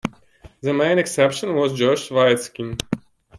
The main exception was Josh Waitzkin.